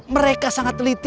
mereka sangat teliti